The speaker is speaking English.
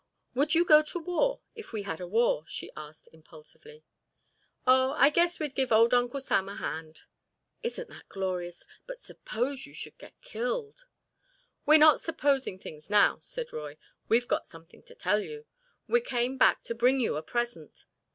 "Would you go to war if we had a war?" she asked impulsively. "Oh, I guess we'd give old Uncle Samuel a hand." "Isn't that glorious! But suppose you should get killed." "We're not supposing things now," said Roy. "We've got something to tell you. We came back to bring you a present.